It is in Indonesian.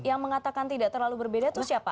yang mengatakan tidak terlalu berbeda itu siapa